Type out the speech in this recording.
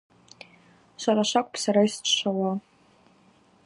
Швара швакӏвпӏ сара йсчвшвауа.